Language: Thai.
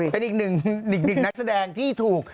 เป็นอีกหนึ่งเด็กนักแสดงที่ถูก